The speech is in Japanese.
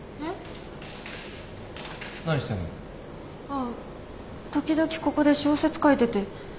あっ時々ここで小説書いてて。